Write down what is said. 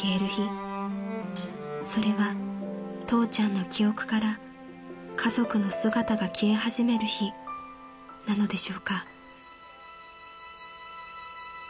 ［それは父ちゃんの記憶から家族の姿が消え始める日なのでしょうか］